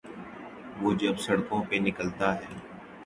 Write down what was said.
وہ جب سڑکوں پہ نکلتا ہے۔